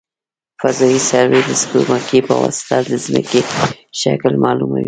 فضايي سروې د سپوږمکۍ په واسطه د ځمکې شکل معلوموي